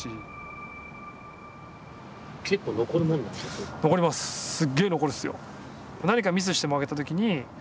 僕はすっげえ残るっすよ。